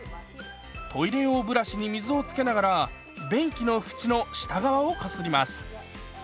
トイレ用ブラシに水をつけながら便器の縁の下側をこすります。